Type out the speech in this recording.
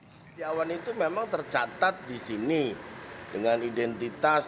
setiawan itu memang tercatat di sini dengan identitas